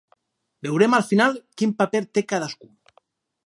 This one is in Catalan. Veurem al final quin paper té cadascú.